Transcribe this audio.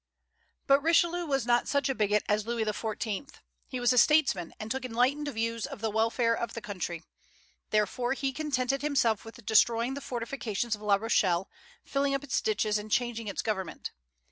But Richelieu was not such a bigot as Louis XIV.; he was a statesman, and took enlightened views of the welfare of the country. Therefore he contented himself with destroying the fortifications of La Rochelle, filling up its ditches, and changing its government.